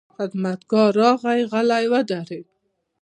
خدمتګار راغی، غلی ودرېد.